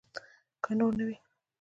که نور نه وي.